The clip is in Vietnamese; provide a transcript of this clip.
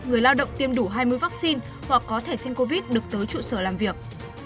người lao động tiêm đủ hai mươi vaccine hoặc có thể xin covid được tới trụ sở làm việc